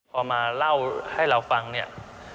พอมาเล่าให้เราฟังเนี่ย